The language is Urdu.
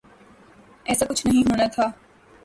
ایسا کچھ نہیں ہونا تھا۔